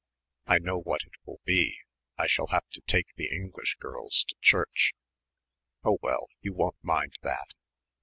I know what it will be, I shall have to take the English girls to church." "Oh, well, you won't mind that."